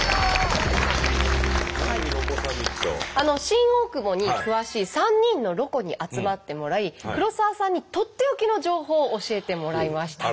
新大久保に詳しい３人のロコに集まってもらい黒沢さんにとっておきの情報を教えてもらいました。